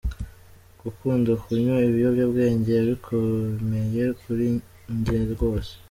Gukunda kunywa ibiyobyabwenge yabikomeye kuri njye rwose”.